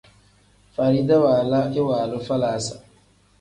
Farida waala iwaalu falaasa.